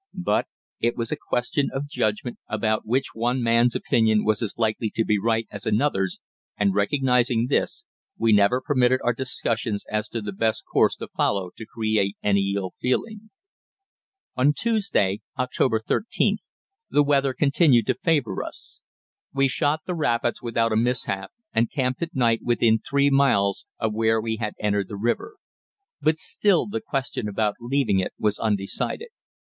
But it was a question of judgment about which one man's opinion was as likely to be right as another's and, recognising this, we never permitted our discussions as to the best course to follow to create any ill feeling. On Tuesday (October 13th) the weather continued to favour us. We shot the rapids without a mishap, and camped at night within three miles of where we had entered the river. But still the question about leaving it was undecided.